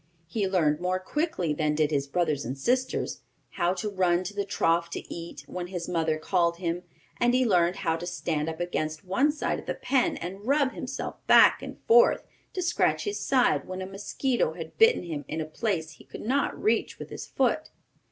He learned more quickly than did his brothers and sisters, how to run to the trough to eat, when his mother called him, and he learned how to stand up against one side of the pen and rub himself back and forth to scratch his side when a mosquito had bitten him in a place he could not reach with his foot.